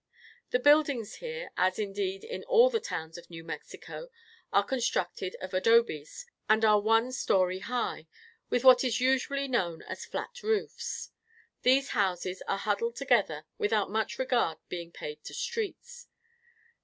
The buildings here, as, indeed, in all the towns of New Mexico, are constructed of adobes, and are one story high, with what is usually known as flat roofs. These houses are huddled together without much regard being paid to streets.